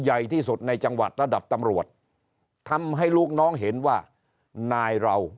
ใหญ่ที่สุดในจังหวัดระดับตำรวจทำให้ลูกน้องเห็นว่านายเรา